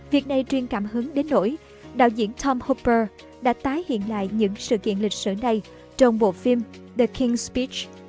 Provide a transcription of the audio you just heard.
việc này truyền cảm hứng đến nỗi đạo diễn tom hooper đã tái hiện lại những sự kiện lịch sử này trong bộ phim the king s speech